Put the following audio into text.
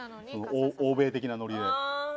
欧米的なノリで。